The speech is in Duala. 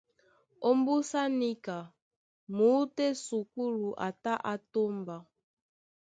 Ómbúsá níka muútú á esukúlu a tá á tómba.